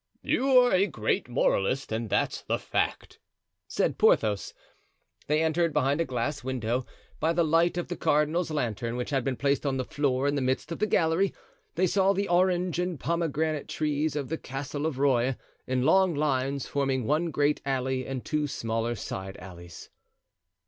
"You're a great moralist, and that's the fact," said Porthos. They entered; behind a glass window, by the light of the cardinal's lantern, which had been placed on the floor in the midst of the gallery, they saw the orange and pomegranate trees of the Castle of Rueil, in long lines, forming one great alley and two smaller side alleys.